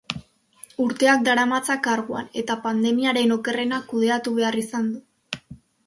Urteak daramatza karguan eta pandemiaren okerrena kudeatu behar izan du.